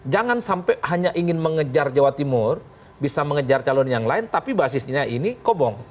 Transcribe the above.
jangan sampai hanya ingin mengejar jawa timur bisa mengejar calon yang lain tapi basisnya ini kobong